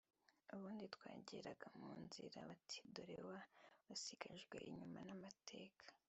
ubundi twageraga mu nzira bati dore wa wasigajwe inyuma n’amateka